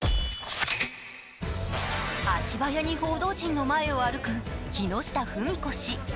足早に報道陣の前を歩く木下富美子氏。